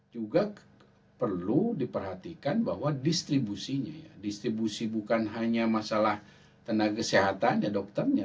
juga perlu diperhatikan bahwa distribusinya ya distribusi bukan hanya masalah tenaga kesehatannya dokternya